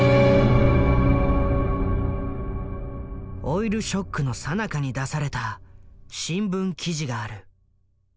オイルショックのさなかに出された新聞記事がある。